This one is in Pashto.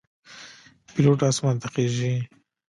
پیلوټ آسمان ته خیژي.